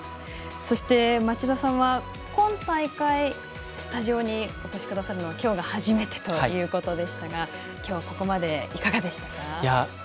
そして町田さんは今大会、スタジオにお越しくださるのは今日が初めてということでしたが今日、ここまでいかがでしたか？